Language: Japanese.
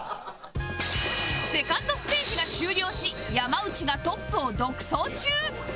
セカンドステージが終了し山内がトップを独走中